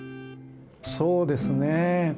そうですね。